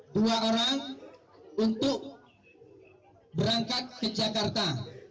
dua orang untuk berangkat ke jakarta